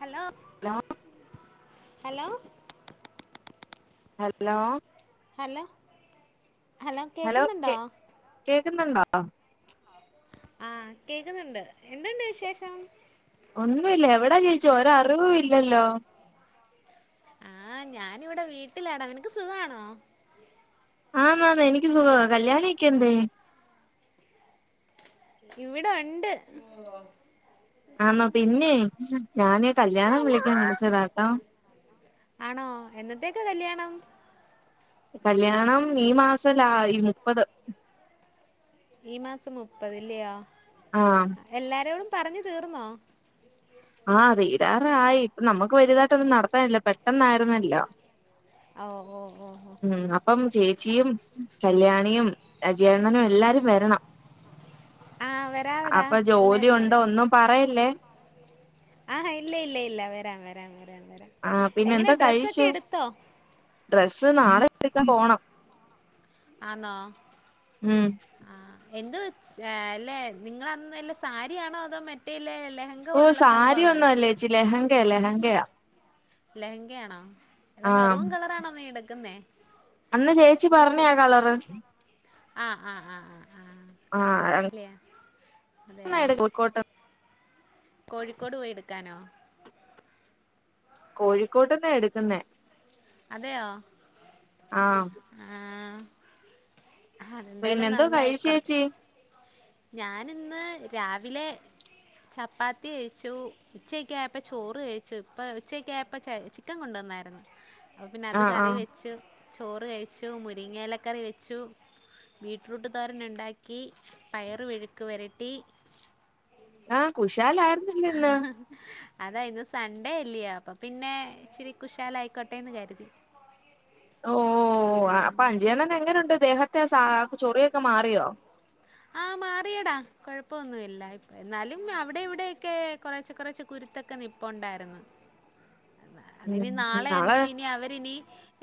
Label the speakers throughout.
Speaker 1: Hello
Speaker 2: hello
Speaker 1: hello
Speaker 2: hello
Speaker 1: hello
Speaker 2: hello കേ കേക്കുന്നുണ്ടോ?
Speaker 1: ആഹ് കേക്കുന്നുണ്ട് എന്തുണ്ട് വിശേഷം?
Speaker 2: ഒന്നുല്ല എവിടാ ചേച്ചി ഒരറിവു ഇല്ലല്ലോ
Speaker 1: ആഹ് ഞാനിവിടെ വീട്ടിലാടാ നിനക്ക് സുഖാണോ?
Speaker 2: ആന്നാന്ന് എനിക്ക് സുഖവ കല്യാണം കളിക്കണ്ടേ
Speaker 1: ഇവിടൊണ്ട്
Speaker 2: ആന്നോ പിന്നേ ഞാനെ കല്യാണം വിളിക്കാൻ വിളിച്ചതാട്ടോ
Speaker 1: ആണോ എന്നത്തേക്ക കല്യാണം?
Speaker 2: കല്യാണം ഈ മാസം ലാ ഈ മുപ്പത്
Speaker 1: ഈ മാസം മുപ്പതില്ലയൊ
Speaker 2: ആഹ്
Speaker 1: എല്ലാരോടും പറഞ്ഞു തീർന്നോ?
Speaker 2: ആഹ് തീരാറായി ഇപ്പൊ നമുക്ക് വലുതായിട്ടൊന്നും നടത്താനില്ല പെട്ടെന്നായിരുന്നല്ലോ
Speaker 1: ഓ ഓ ഓ ഓ
Speaker 2: ഉം അപ്പം ചേച്ചിയും കല്യാണിയും അജയണ്ണ നും എല്ലാരും വെരണം
Speaker 1: ആഹ് വരാവടാ
Speaker 2: അപ്പൊ ജോലി
Speaker 1: എല്ലാരും
Speaker 2: ഉണ്ടോ
Speaker 1: വരാം
Speaker 2: ഒന്നും പറയല്ലേ
Speaker 1: ആ ഇല്ല ഇല്ല ഇല്ല വരാം വരാം വരാം വരാം
Speaker 2: ആഹ് പിന്നെ
Speaker 1: എങ്ങനെ
Speaker 2: എന്തൊ
Speaker 1: ഡ്രസ്സൊക്കെ
Speaker 2: കഴിച്ചു
Speaker 1: എടുത്തോ
Speaker 2: ഡ്രസ്സ് നാളെ എടുക്കാൻ പോണം
Speaker 1: ആന്നോ?
Speaker 2: ഉം
Speaker 1: ആ എന്ത് അല്ലെ നിങ്ങള അന്നല്ല സാരിയാണോ അതോ മറ്റേലേ ലഹ
Speaker 2: ഓഹ് സാരി ഒന്നും അല്ലേച്ചി ലെഹങ്കയാ ലെഹങ്കയാ
Speaker 1: ലഹങ്കയാണോ [unintelligible]
Speaker 2: ആഹ്
Speaker 1: മെറൂൺ കളറാണോ നീ എടുക്കുന്നേ?
Speaker 2: അന്ന് ചേച്ചി പറഞ്ഞ ആ കളറ്
Speaker 1: ആഹ് ആഹ് ആഹ് ആഹ് ആ
Speaker 2: ആഹ്
Speaker 1: കളർഅല്ലയൊ അതെയോ
Speaker 2: എടു കോഴിക്കോട്ട്
Speaker 1: കോഴിക്കോട് പോയി എടുക്കാനോ?
Speaker 2: കോഴിക്കോട്ട്ന്നാ എടുക്കുന്നേ
Speaker 1: അതെയോ
Speaker 2: ആഹ്
Speaker 1: ആഹ് അതെന്തായാലും
Speaker 2: പിന്നെന്തോ
Speaker 1: നന്നായി
Speaker 2: കഴിച്ചേ
Speaker 1: കൊറച്ച്
Speaker 2: ചേച്ചി
Speaker 1: ഞാനിന്ന് രാവിലെ ചപ്പാത്തി കഴിച്ചു ഉച്ചയൊക്കെ ആയപ്പോ ചോറ് കഴിച്ചു ഇപ്പ ഉച്ചയ്ക്ക ആയപ്പോ ച ചിക്കൻ കൊണ്ടുവന്നായിരുന്നു അപ്പ പിന്നെ അത്
Speaker 2: ആഹ്
Speaker 1: കറി
Speaker 2: ആഹ്
Speaker 1: വെച്ചു ചോറ് കഴിച്ചു മുരിങ്ങയിലക്കറി വെച്ചു, ബിട്രൂട്ട് തോരന് ഉണ്ടാക്കി പയർ മെഴുക്ക് വരട്ടി
Speaker 2: ആഹ് കുശാല ആയിരുന്നല്ലോ ഇന്ന്
Speaker 1: അതാ ഇന്ന് സൺഡേ അല്ലയോ അപ്പൊ പിന്നെ ഇച്ചിരി കുശാലയിക്കോട്ടെന്ന് കരുതി
Speaker 2: ഓഹ് ഓഹ് ആഹ് അപ്പ അഞ്ചിഅണ്ണന് എങ്ങനുഉണ്ട് ദേഹത്തെ സാ ചൊറിയൊക്കെ മാറിയോ?
Speaker 1: ആഹ് മാറിയടാ കൊഴപ്പൊന്നുഇല്ല ഇപ്പ എന്നാലും അവിടെ ഇവിടെഓക്കെ കുറച്ചെ കുറച്ചെ കുരുത്തൊക്കെ നിപ്പുണ്ടാരുന്നു അതിനി നാളെ എന്തോ ഇനി അവരിനി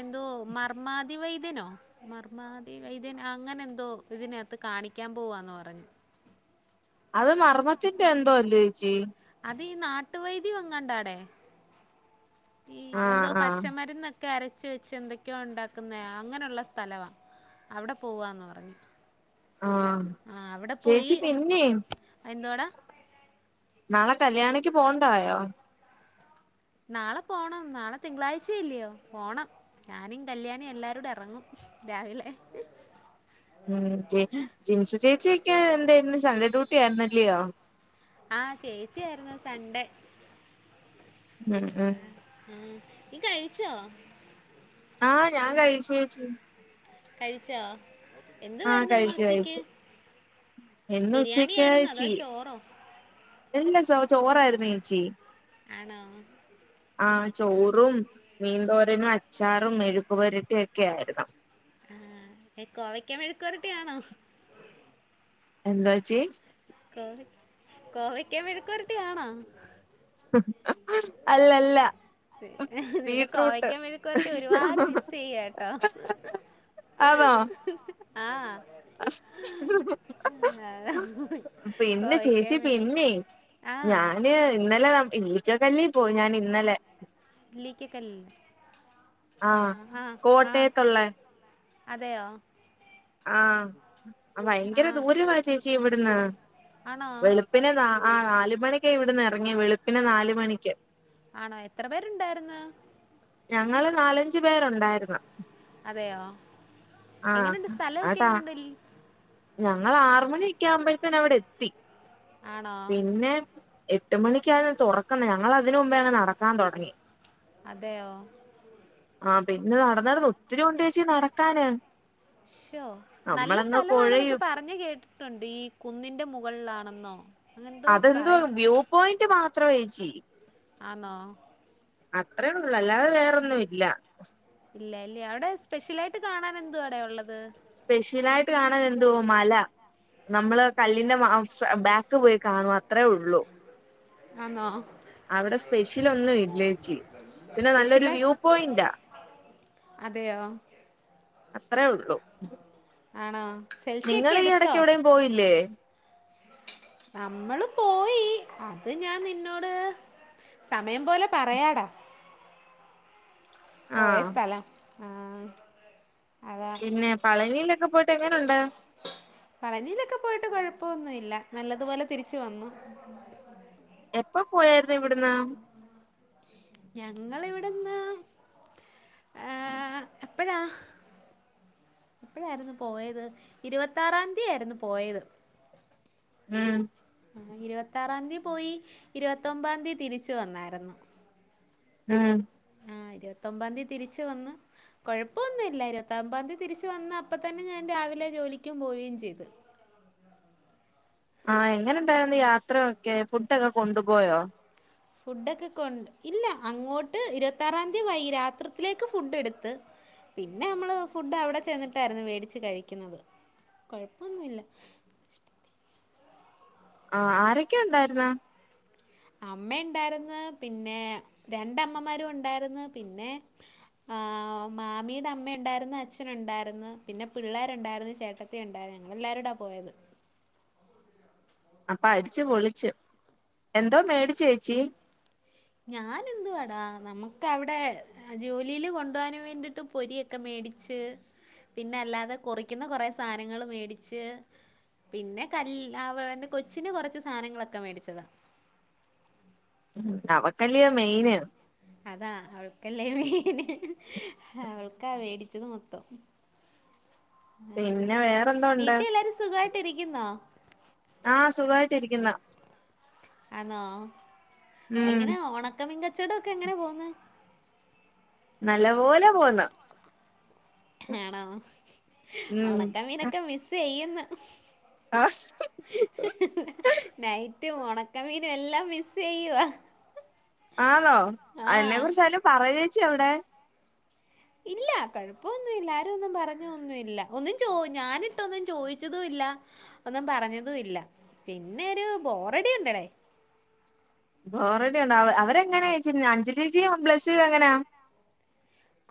Speaker 1: എന്തോ മർമാതി വൈദ്യനോ മർമാതി വൈദ്യൻ അങ്ങനെ എന്തോ ഇതിനത്ത് കാണിക്കാൻ പോവാന്ന് പറഞ്ഞു.
Speaker 2: അത് മർമ്മത്തിന്റെ എന്തോ അല്ലേച്ചി
Speaker 1: അതി നാട്ടുവൈദ്യം എങ്ങാണ്ടാടേ ഈ എന്തോ
Speaker 2: ആഹ് ആഹ്
Speaker 1: പച്ചമരുന്ന്. ഒക്കെ അരച്ച് വെച്ച് എന്തൊക്കെയോ ഉണ്ടാക്കുന്ന അങ്ങനെഉള്ള സ്ഥലവാ. അവിടെ പോവാന്ന് പറഞ്ഞു
Speaker 2: ആഹ്
Speaker 1: ആഹ് അവിടെ പോയി
Speaker 2: ചേച്ചി പിന്നെ
Speaker 1: എന്തോടാ
Speaker 2: നാളെ കല്യാണിക്ക് പോണ്ടായോ?
Speaker 1: നാളെ പോണം നാളെ തിങ്കളാഴ്ച ഇല്ലയോ പോണം. ഞാനും കല്യാണി എല്ലാരുടെ ഇറങ്ങും രാവിലെ.
Speaker 2: ഉം ച്ചെ ജിൻസി ചേച്ചിക്ക് എന്തായിരുന്നു സൺഡേ ഡ്യൂട്ടി ആയിരുന്നല്ലയോ?
Speaker 1: ആഹ് ചേച്ചിയിരുന്നു സൺഡേ
Speaker 2: ഉം ഉം
Speaker 1: ആഹ് നി കഴിച്ചോ
Speaker 2: ആഹ് ഞാൻ കഴിച്ചേച്ചി
Speaker 1: കഴിച്ചോ എന്ത്
Speaker 2: ആഹ്
Speaker 1: വരുന്ന് ഇന്ന്
Speaker 2: കഴിച്ചു
Speaker 1: ഉച്ചക്ക്
Speaker 2: കഴിച്ചു ഇന്ന്
Speaker 1: ബിരിയാണി
Speaker 2: ഉച്ചക്ക്
Speaker 1: ആരുന്നോ അതോ ചോറോ
Speaker 2: ഇല്ല ചോ ചോറായിരുന്നു ചേച്ചി
Speaker 1: ആണോ
Speaker 2: ആഹ് ചോറും, മീന്തോരനും, അച്ചാറും, മെഴുക്കു പരട്ടി ഒക്കെ ആയിരുന്നു.
Speaker 1: ആഹ് എ കോവയ്ക്കാ മേഴ്ക്കോറിട്ടി ആണോ?
Speaker 2: എന്താവാച്ചി
Speaker 1: കോവ കോവക്ക മെയ്ക്ക് പൊരട്ടി ആണാ?
Speaker 2: അല്ല അല്ല
Speaker 1: പിന്നെ നിന്റെ കോവക്കാ മെഴിക്കറട്ടി ഒരുപാട് മിസ്യ്യട്ടോ
Speaker 2: ആന്നൊ?
Speaker 1: ആഹ്
Speaker 2: പിന്നെ
Speaker 1: കോവയ്ക്ക
Speaker 2: ചേച്ചി
Speaker 1: മെഴു
Speaker 2: പിന്നെ
Speaker 1: ആ
Speaker 2: ഞാന് ഇന്നലെ നാം ഇലിക്കക്കാല്ലി പോയി ഞാൻ ഇന്നലെ
Speaker 1: ഇലീക്കെക്കല്ല്ലേ ആഹ് ആഹ് ആഹ്
Speaker 2: കോട്ടയത്തുള്ള
Speaker 1: അതെയോ
Speaker 2: ആഹ്
Speaker 1: ആ
Speaker 2: ഭയങ്കര ദൂരവാ ചേച്ചി ഇവിടുന്ന്
Speaker 1: ആണോ
Speaker 2: വെളു പിന്നെ നാ ആഹ് നാല് മണിക്ക് ഇവിടന്ന് ഇറങ്ങി വെളുപ്പിന് നാല് മണിക്ക്
Speaker 1: ആണോ എത്ര പേരുണ്ടാര്ന്ന്?
Speaker 2: ഞങ്ങള് നാലഞ്ച് പേര്ഒണ്ടാര്ന്ന്
Speaker 1: അതെയോ എങ്ങനുണ്ട് സ്ഥലൊക്കെ എങ്ങനുണ്ടലി
Speaker 2: ഞങ്ങളാറ് മണിയൊക്കെ ആകുമ്പോഴത്തേന്നെ അവിടെ എത്തി
Speaker 1: ആണോ
Speaker 2: പിന്നെ.. എട്ട് മണിക്കാണ് തുറക്കുന്നെ ഞങ്ങളതിന് മുമ്പേ അങ്ങ് നടക്കാൻ തൊടങ്ങി.
Speaker 1: അതെയോ?
Speaker 2: ആഹ് പിന്നെ നടന്ന്ടന്നു ഒത്തിരി ണ്ടേച്ചി നടക്കാന്!
Speaker 1: ശോ നല്ല
Speaker 2: നമ്മളങ്ങ്
Speaker 1: സ്ഥലമാണെന്നൊക്കെ
Speaker 2: കൊഴയും
Speaker 1: പറഞ്ഞ ഞ്ഞ് കേട്ടിട്ടുണ്ട് ഈ കുന്നിന്റെ മുകളിലാണെന്നോ അങ്ങനെന്തോ പറയും
Speaker 2: അതെന്തുവക്പ്പ് വ്യൂ പോയിന്റ് മാത്രാ ഏച്ചി.
Speaker 1: ആണോ
Speaker 2: അത്രേള്ളൂ അല്ലാതെ വേറൊന്നു ഇല്ല.
Speaker 1: ഇല്ലായില്ല്യോ അവിടെ സ്പെഷ്യലായിട്ട് കാണാനെന്തുവാടെ ഉള്ളത്?
Speaker 2: സ്പെഷ്യലായിട്ട് കാണാൻ എന്തുവാ മല. നമ്മള് കല്ലിന്റെ മാം ബാക്ക് പോയി കാണും അത്രേള്ളു.
Speaker 1: ആണോ?
Speaker 2: അവിടെ സ്പെഷ്യലൊന്നുയില്ലേച്ചി പിന്നെ
Speaker 1: സ്പെഷ്യൽ
Speaker 2: നല്ലൊരു വ്യൂ പോയിന്റാ.
Speaker 1: അതെയോ?
Speaker 2: അത്രേ ഉള്ളു.
Speaker 1: ആണോ? സെൽഫിയൊക്കെ എടുത്തോ?
Speaker 2: എവിടെയും പോയില്ലേ?
Speaker 1: നമ്മള് പോയീ അത് ഞാൻ നിന്നോട് സമയം പോലെ പറയാടാ. പോയ
Speaker 2: ആഹ്
Speaker 1: സ്ഥലം. ആഹ്-
Speaker 2: പിന്നെ പളനിയിലൊക്കെ പോയിട്ട് എങ്ങെനുണ്ട്?
Speaker 1: പളനിയിലൊക്കെ പോയിട്ട് കൊഴപ്പൊന്നു ഇല്ല നല്ലതുപോലെ തിരിച്ച് വന്നു.
Speaker 2: എപ്പൊ പോയായിരുന്ന് ഇവിട്ന്ന്?
Speaker 1: ഞങ്ങളിവിട്ന്ന് ് എപ്പഴാ? എപ്പഴായിരുന്നു പോയത് ഇരുപത്താറാതീയായിരുന്നു പോയത്.
Speaker 2: ം
Speaker 1: ഇരുപത്താറാതി പോയി ഇരുപത്തൊമ്പാതീ തിരിച്ച് വന്നായിരുന്ന്.
Speaker 2: ം
Speaker 1: ആഹ് ഇരുപത്തൊമ്പാത്യാ തിരിച്ച് വന്ന്? കൊഴപ്പൊന്നു ഇല്ലാ ഇരുവത്തോമ്പാതി തിരിച്ച് വന്ന് അപ്പ തന്നെ ഞാൻ രാവിലെ ജോലിക്കും പോവെയും ചെയ്ത്.
Speaker 2: ആഹ് എങ്ങനെ ഉണ്ടായിരുന്നു യാത്രയൊക്കെ ഫുഡ് ഒക്കെ കൊണ്ടുപോയോ?
Speaker 1: ഫുഡൊക്കെ കൊണ്ട് ഇല്ല അങ്ങോട്ട് ഇരുവത്താറാതി വൈ രാത്രിത്തിലേക്ക് ഫുഡ് എടുത്ത്. പിന്നെ നമ്മള് ഫുഡ് അവിടെ ചെന്നിട്ടായിരുന്നു വേടിച്ചു കഴിക്കുന്നത് കൊഴപ്പൊന്നു ഇല്ല.
Speaker 2: ആഹ് ആരൊക്കെ ഉണ്ടായിരുന്ന്?
Speaker 1: അമ്മേണ്ടായിരുന്ന് പിന്നെ രണ്ടമ്മമാരൂണ്ടായിരുന്ന്. പിന്നെ ആഹ് മാമീടെ അമ്മയൊണ്ടായിരുന്ന് അച്ഛനുണ്ടായിരുന്ന് പിന്നെ പിള്ളേരുണ്ടായിരുന്ന് ചേട്ട ത്തി ഉണ്ടായിരുന്ന് ഞങ്ങളെല്ലാരൂടാ പോയത്.
Speaker 2: അപ്പൊ അടിച്ച് പൊളിച്ച് എന്തോ മേടിച്ചേച്ചി?
Speaker 1: ഞാനെന്തുവാടാ നമുക്കവിടെ ജോലിയില് കൊണ്ടുപോവാന് വേണ്ടിട്ട് പൊരിയൊക്കെ മേടിച്ച് പിന്നെ അല്ലാതെ കൊറിക്കുന്ന കൊറേ സാധനങ്ങള് മേടിച്ച് പിന്നെ കൽ അവെ എന്റെ കൊച്ചിന് കൊറച്ച് സാധനങ്ങളൊക്കെ മേടിച്ചതാ.
Speaker 2: അവക്കല്ലിയോ മെയിന്.
Speaker 1: അതാ അവൾക്കല്ലേ ഹ് ഹ് ഹ് മെയിന് അവൾക്കാ വേടിച്ചത് മൊത്തം. അങ്ങനെ
Speaker 2: പിന്നെ വേറെന്തോ ഉണ്ട്
Speaker 1: വീട്ടി എല്ലാരും സുഖായിട്ട് ഇരിക്കുന്നോ?
Speaker 2: ആഹ് സുഖായിട്ടിരിക്കുന്ന്
Speaker 1: ആന്നോ.
Speaker 2: ഉം
Speaker 1: എങ്ങനാ ഒണക്കമീൻ കച്ചോടൊക്കെ എങ്ങനെ പോവ്ന്ന്?
Speaker 2: നല്ല പോലെ പോവ്ന്ന്.
Speaker 1: ഹേണോ
Speaker 2: ഉം
Speaker 1: ഒണക്ക മീനൊക്കെ മിസ്സ് ചെയ്യ്ന്ന്.
Speaker 2: ആഹ്
Speaker 1: നൈറ്റും ഒണക്കമീനും എല്ലാം മിസ്സ് ചെയ്യുവാ.
Speaker 2: ആന്നോ എന്നെ കുറിച്ചാരേലും പറയോച്ചി അവിടെ.
Speaker 1: ഇല്ല കൊഴപ്പൊന്നു ഇല്ല ആരും ഒന്നും പറഞ്ഞൊ ഒന്നു ഇല്ല ഒന്നും ചോ ഞാനിട്ടൊന്നും ചോയിച്ചതും ഇല്ല. ഒന്നും പറഞ്ഞതുയില്ല പിന്നെ ഒരു ബോറടി ഉണ്ടടേ.
Speaker 2: ബോറഡിയുണ്ടോ? അവരെങ്ങനെയേച്ചി, അഞ്ജലി ചേച്ചിയും ബ്ലസ്ലിയും എങ്ങനാ?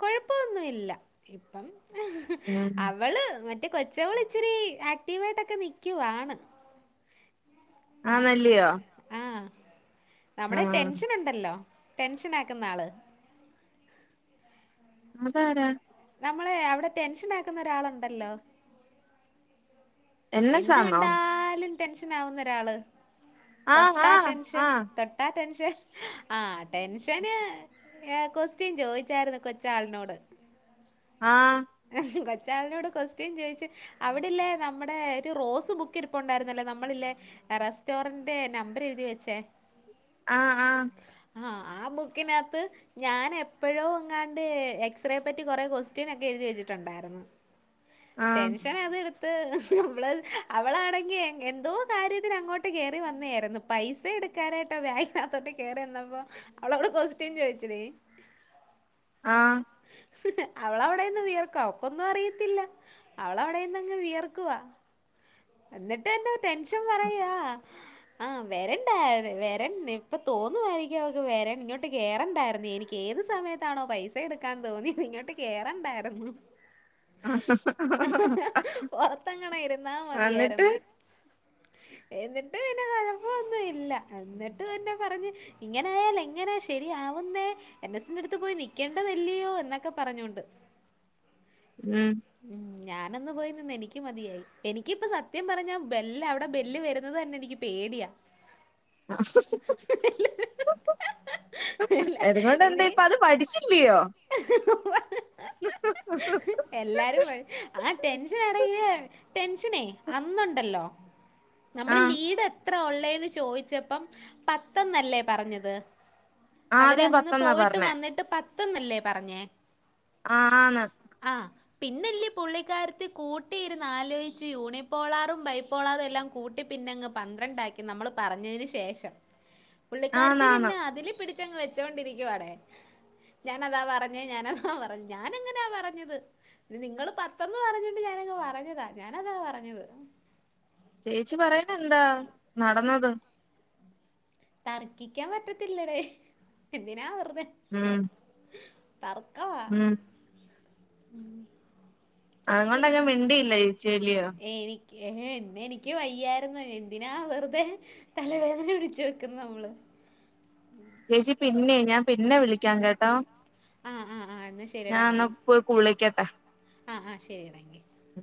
Speaker 1: കുഴപ്പൊന്നുയില്ല ഇപ്പം അവള് മ റ്റേ കൊച്ചവള് ഇച്ചിരി ആക്റ്റീവായിട്ടൊക്കെ നിക്കുവാണ്.
Speaker 2: ആന്നല്ല്യോ.
Speaker 1: ആഹ് നമ്മുടെ ടെൻഷനുണ്ടല്ലോ, ടെൻഷൻ ആക്കുന്ന ആള്.
Speaker 2: അതാരാ?
Speaker 1: നമ്മള് അവിടെ ടെൻഷനാക്കുന്ന ഒരാളുണ്ടല്ലോ
Speaker 2: എൻ എസ്
Speaker 1: എന്ത്
Speaker 2: ആന്നോ
Speaker 1: കണ്ടാലും ടെൻഷനാകുന്ന ഒരാള്.
Speaker 2: ആഹ്
Speaker 1: തൊട്ടാ
Speaker 2: ആഹ്
Speaker 1: ടെൻഷൻ തൊ ട്ടാ ടെൻഷൻ ആഹ് ടെൻഷന് ഏഹ് കൊസ്റ്റ്യൻ ചോയിച്ചായിരുന്നു കൊച്ചാളിനോട്.
Speaker 2: ആഹ്
Speaker 1: കൊച്ചാളിനോട് ക്വസ്റ്റ്യൻ ചോയിച്ച് അവിടെ ഇല്ലേ നമ്മുടെ ഒരു റോസ് ബുക്ക് ഇരിപ്പുണ്ടായിരുന്നല്ലോ നമ്മളില്ലെ. റെസ്റ്റോറന്റിന്റെ നമ്പർ എഴുതി വെച്ചേ.
Speaker 2: ആഹ് ആഹ്
Speaker 1: ആഹ് ആ ബുക്കിനകത്ത് ഞാൻ എപ്പഴോ ഇങ്ങാണ്ട് എക്സ്റേ പറ്റി കൊറെ ക്വസ്റ്റ്യൻ ഒക്കെ എഴുതി വെച്ചിട്ടുണ്ടായിരുന്നു.
Speaker 2: ആഹ്
Speaker 1: ടെൻഷനത് എട് ത്ത് അവള് അവളാണെങ്കിൽ എന്തോ കാര്യത്തിന് അങ്ങോട്ട് കേറി വന്നെയായിരുന്നു. പൈസ എടുക്കാനായിട്ടോ വേഗിനകത്തോട്ടോ കേറി വന്നപ്പം അവളോട് ക്വസ്റ്റ്യൻ ചോയിച്ച് നീ
Speaker 2: ആഹ്
Speaker 1: അവൾ അവിടെ നിന്ന് വിയർക്കും അവക്കൊന്നും അറിയത്തില്ല. അവള് അവിടെ ഇരുന്നങ്ങ് വിയർക്കുവാ എന്നിട്ട് എന്റെ ടെൻഷൻ പറയുവാ. ആഹ് വരണ്ടായിര്ന്ന് വരൻ ഇപ്പ തോന്നുവാ എനിക്ക് അവക്ക് വരൻ ഇങ്ങോട്ട് കേറണ്ടായിരുന്ന് എനി ഏത് സമയത്താണോ പൈസ എടുക്കാൻ തോന്നിയത് ഇങ്ങോട്ട് കേറണ്ടായിരുന്നു. പുറത്തെങ്ങാണം ഇരുന്നാ
Speaker 2: എന്നിട്ട്
Speaker 1: മതിയായിരുന്നു. എന്നിട്ട് പിന്നെ കുഴപ്പൊന്നും ഇല്ല എന്നിട്ട് തന്നെ പറഞ്ഞ് ഇങ്ങനെ ആയാൽ എങ്ങനാ ശെരി ആവുന്നേ എൻ എസി ന്റെ അടുത്ത് പോയി നി ക്ക്യെണ്ടതല്ലിയോ എന്നൊക്കെ പറഞ്ഞോണ്ട്.
Speaker 2: ഉം
Speaker 1: ഉം ഞാനന്ന് പോയി നിന്ന് എനിക്ക് മതിയായി എനിക്കിപ്പ സത്യം പറഞ്ഞാ ബെല്ല് അവിടെ ബെല്ല് വരുന്നത് തന്നെ എനിക്ക് പേടിയാ.
Speaker 2: ആഹ്
Speaker 1: എല്ലാ-
Speaker 2: അതുകൊണ്ട് എന്ത്
Speaker 1: ഇനി
Speaker 2: ഇപ്പ അത് പഠിച്ചി ല്ലിയോ
Speaker 1: എല്ലാരും പറയും ആ ടെൻഷൻ ആണെകിലേ ടെൻഷനേ അന്നുണ്ടല്ലോ നമ്മൾ
Speaker 2: ആഹ്
Speaker 1: ലീഡ് എത്ര ഉള്ളേന്ന് ചോദിച്ചപ്പം പത്തന്നല്ലേ പറഞ്ഞത്
Speaker 2: ആദ്യം
Speaker 1: അവരന്ന്
Speaker 2: പത്തെന്നാ
Speaker 1: പോയിട്ട്
Speaker 2: പറഞ്ഞേ
Speaker 1: വന്നിട്ട് പത്തന്നല്ലേ പറഞ്ഞേ
Speaker 2: ആ ആണ്
Speaker 1: ആഹ് പിന്നല്ലേ പുള്ളിക്കാരത്തി കൂട്ടിയിരുന്ന് ആലോചിച്ച് യൂണിപ്പോളാറു ബൈ പോളർ എല്ലാം കൂട്ടി പിന്നങ്ങ് പന്ത്രണ്ട് ആക്കി നമ്മൾ പറഞ്ഞയ്ന് ശേഷം പുള്ളിക്കരത്തി
Speaker 2: ആന്നാന്ന്
Speaker 1: പിന്നെ അതില് പിടിച്ചങ്ങ് വെച്ചൊണ്ടിരിക്കുവാണേ ഞാനതാ പറഞ്ഞേ ഞാനതാ പറഞ്ഞു ഞാനങ്ങനെയാ പറഞ്ഞത് നിങ്ങള് പത്തെന്ന് പറഞ്ഞിട്ട് ഞാനങ്ങ് പറഞ്ഞതാ ഞാനതാ പറഞ്ഞത്
Speaker 2: ചേച്ചി പറയുന്നെ എന്താ നടന്നത്
Speaker 1: തർക്കിക്കാൻ പറ്റത്തില്ലല്ലേ എന്തിനാ വെറുതെ
Speaker 2: ഉം
Speaker 1: തറക്കവാ
Speaker 2: ഉം അ നിങ്ങോ അങ്ങെ വിണ്ടിയില്ല ചേച്ചിലിയോ
Speaker 1: എനിക്ക് ഏ അന്നെനിക്ക് എനിക്ക് വയ്യായിരുന്നു എന്തിനാ വെറുതെ തലവേദന പിടിച്ചു വെക്കുന്നു നമ്മള്
Speaker 2: ചേച്ചി പിന്നെ ഞാൻ പിന്നെ വിളിക്കാം കേട്ടോ
Speaker 1: ആഹ് ആആ എന്നാ
Speaker 2: ഞാൻ എന്നാ
Speaker 1: ശരിടാങ്കി
Speaker 2: പോയി കുളിക്കട്ടെ
Speaker 1: ആഹ് ആഹ് ശരിടാങ്കി
Speaker 2: അ